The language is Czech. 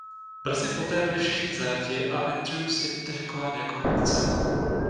Brzy poté byli všichni zajati a Andrews identifikován jako vůdce.